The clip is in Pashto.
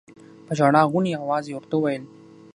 په ژړا غوني اواز يې ورته وويل.